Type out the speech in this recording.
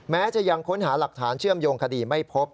แม้จะยังค้นหาหลักฐานเชื่อมโยงคดีไม่พบ